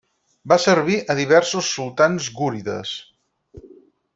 Va servir a diversos sultans gúrides.